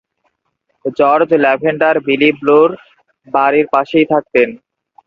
George Lavender Billy ব্লুর বাড়ির পাশেই থাকতেন।